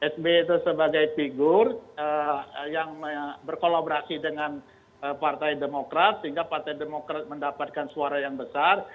sby itu sebagai figur yang berkolaborasi dengan partai demokrat sehingga partai demokrat mendapatkan suara yang besar